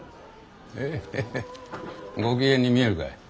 ええヘヘッご機嫌に見えるかい？